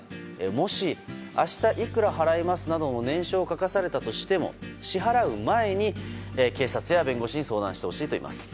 もし、明日いくら払いますなどの念書を書かされたとしても支払う前に、警察や弁護士に相談してほしいといいます。